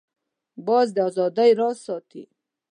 باز د آزادۍ راز ساتي